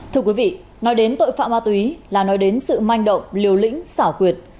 thưa quý vị nói đến tội phạm ma túy là nói đến sự manh động liều lĩnh xảo quyệt